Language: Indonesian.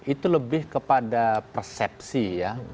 itu lebih kepada persepsi ya